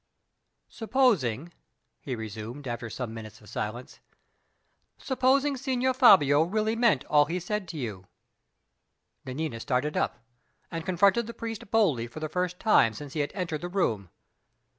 "Supposing," he resumed, after some minutes of silence, "supposing Signor Fabio really meant all he said to you " Nanina started up, and confronted the priest boldly for the first time since he had entered the room.